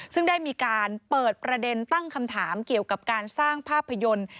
ซึ่งได้มีการเปิดประเด็นตั้งคำถามเกี่ยวกับการสร้างภาพยนตร์